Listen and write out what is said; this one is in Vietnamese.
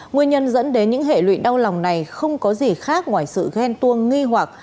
nguyên nhân dẫn đến những hệ lụy đau lòng này không có gì khác ngoài sự ghen tuông nghi hoặc